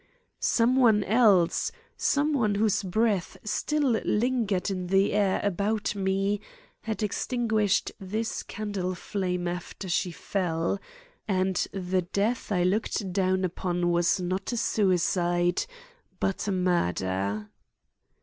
Some one else—some one whose breath still lingered in the air about me—had extinguished this candle flame after she fell, and the death I looked down upon was not a suicide, _but a murder!